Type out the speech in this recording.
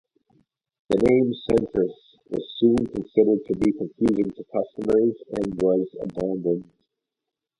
The name "Centris" was soon considered to be confusing to customers, and was abandoned.